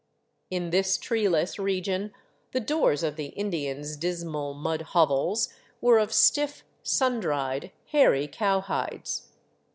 In this treeless region the doors of the Indians' dis mal mud hovels were of stiff, sun dried, hairy cowhides.